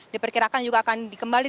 diperkirakan juga akan kembali